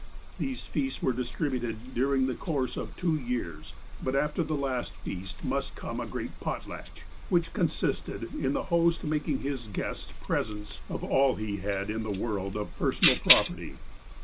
These feasts were distributed during the course of two years ; but af ter the last feast must come a great "potlatch," which consisted in the host making his guests presents of all he had in the world of personal property.